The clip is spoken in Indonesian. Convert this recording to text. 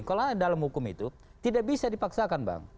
kalau dalam hukum itu tidak bisa dipaksakan bang